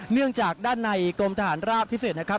เนื่องจากด้านในกรมทหารราบพิเศษนะครับ